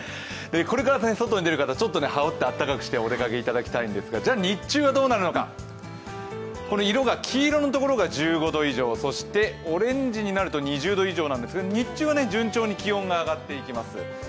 これから外に出る方はちょっと羽織ってあったかくしてほしいんですが、日中はどうなるのか、色が黄色のところが１５度以上、そしてオレンジになると２０度以上なんですが日中は順調に気温が上がっていきます。